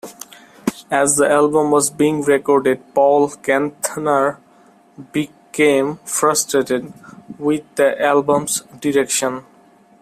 As the album was being recorded, Paul Kantner became frustrated with the album's direction.